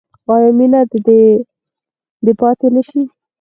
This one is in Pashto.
آیا مینه دې پاتې نشي؟